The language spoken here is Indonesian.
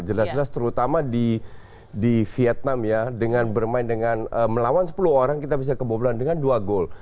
jelas jelas terutama di vietnam ya dengan bermain dengan melawan sepuluh orang kita bisa kebobolan dengan dua gol